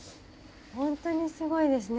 ホントにすごいですね。